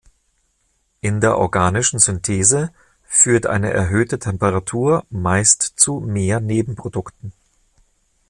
In der organischen Synthese führt eine erhöhte Temperatur meist zu mehr Nebenprodukten.